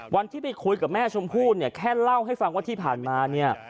วันที่ไปคุยกับแม่ชมพู่เนี่ยแค่เล่าให้ฟังว่าที่ผ่านมาเนี่ย